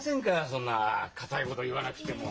そんな硬いこと言わなくても。